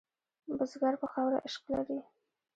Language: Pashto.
بزګر په خاوره عشق لري